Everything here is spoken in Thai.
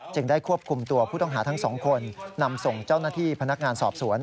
ได้ควบคุมตัวผู้ต้องหาทั้งสองคนนำส่งเจ้าหน้าที่พนักงานสอบสวน